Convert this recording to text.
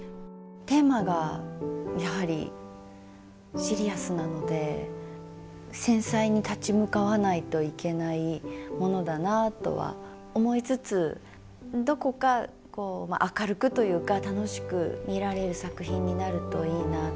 テーマがやはりシリアスなので繊細に立ち向かわないといけないものだなとは思いつつどこかこう明るくというか楽しく見られる作品になるといいなと。